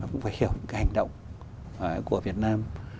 cũng phải hiểu cái hành động của việt nam